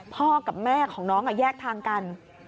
พ่อกับแม่ของน้องแยกทางกัน